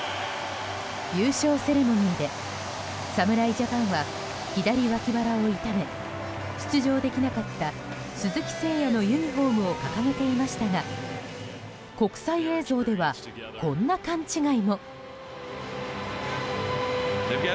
優勝セレモニーで侍ジャパンは左脇腹を痛め出場できなかった鈴木誠也のユニホームを掲げていましたが国際映像ではこんな勘違いも。